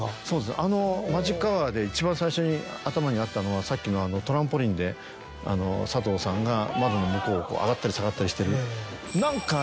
あの『マジックアワー』で一番最初に頭にあったのはさっきのトランポリンで佐藤さんが窓の向こうを上がったり下がったりしてる。